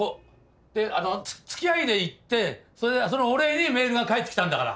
つきあいで行ってそれでそのお礼にメールが返ってきたんだから。